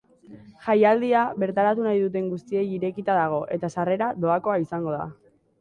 Jaialdia bertaratu nahi duten guztiei irekita dago eta sarrera doakoa izango da.